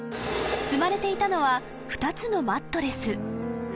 ［積まれていたのは２つのマットレス］